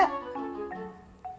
kebangetan lo sama gue